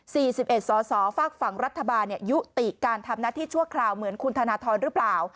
๔๑สสฝากฝังรัฐบาลยุติการทำหน้าที่ชั่วคราวเหมือนคุณธนาทรหรือเปล่า